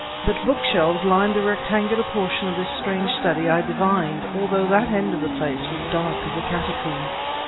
That bookshelves lined the rectangular portion of this strange study I divined, although that end of the place was dark as a catacomb.